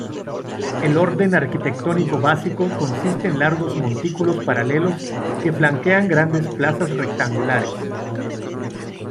El orden arquitectónico básico consiste en largos montículos paralelos que flanquean grandes plazas rectangulares.